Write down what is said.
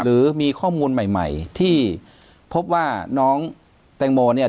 หรือมีข้อมูลใหม่ใหม่ที่พบว่าน้องแตงโมเนี่ย